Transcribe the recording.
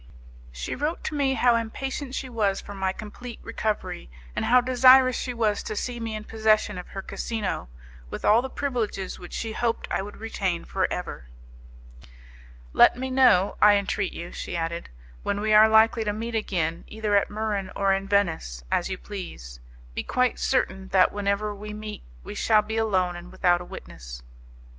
She wrote to me how impatient she was for my complete recovery, and how desirous she was to see me in possession of her casino, with all the privileges which she hoped I would retain for ever. "Let me know, I entreat you," she added, "when we are likely to meet again, either at Muran or in Venice, as you please. Be quite certain that whenever we meet we shall be alone and without a witness."